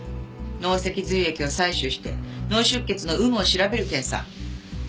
脳脊髄液を採取して脳出血の有無を調べる検査。